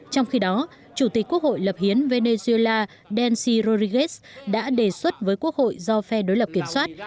trong khi đó chủ tịch quốc hội lập hiến venezuela denci roriguez đã đề xuất với quốc hội do phe đối lập kiểm soát